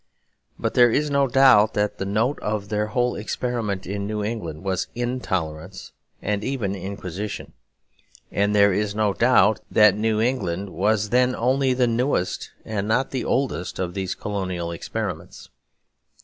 But there is no doubt that the note of their whole experiment in New England was intolerance, and even inquisition. And there is no doubt that New England was then only the newest and not the oldest of these colonial experiments.